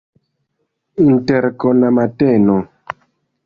Interkona mateno.